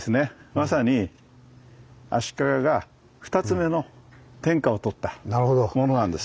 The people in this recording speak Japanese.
まさに足利が２つ目の天下をとったものなんです。